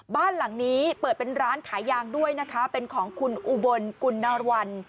บ้านหลังนี้เปิดเป็นร้านขายยางด้วยนะคะเป็นของคุณอุบลกุณวัน